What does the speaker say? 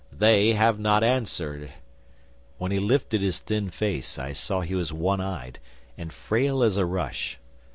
They have not answered!" When he lifted his thin face I saw he was one eyed, and frail as a rush.